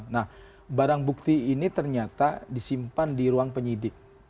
nah barang bukti ini ternyata disimpan di ruang penyidik